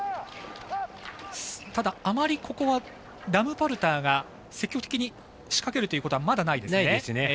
ただ、あまりここはラムパルターが積極的に仕掛けるということはまだないですね。